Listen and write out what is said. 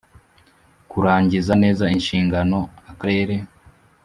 Kurangiza neza inshingano akarere